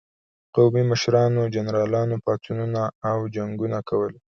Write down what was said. قومي مشرانو او جنرالانو پاڅونونه او جنګونه کول.